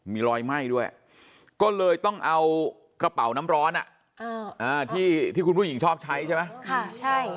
มีรอยไหม้ด้วยก็เลยต้องเอากระเป๋าน้ำร้อนที่คุณผู้หญิงชอบใช้ใช่ไหม